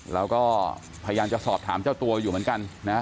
เราก็พยายามจะสอบถามเจ้าตัวอยู่เหมือนกันนะ